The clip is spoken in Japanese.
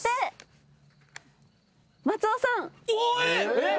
えっ！